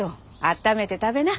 あっためて食べな。